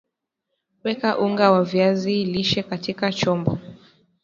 weka unga wa viazi lishe katika chombo